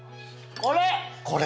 これ！